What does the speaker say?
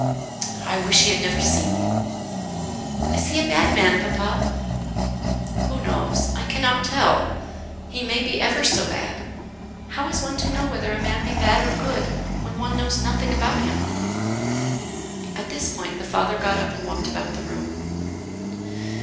"I wish he had never seen you." "Is he a bad man, papa?" "Who knows? I cannot tell. He may be ever so bad. How is one to know whether a man be bad or good when one knows nothing about him?" At this point the father got up and walked about the room.